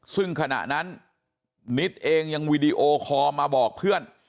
ซึ่งขณะนั้นนิดเองยังวีดีโอคอลมาบอกเพื่อน